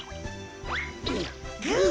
グー！